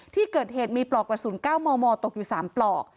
ที่เกิดเหตุมีปลอกกระสุน๙มมตกอยู่๓ปลอก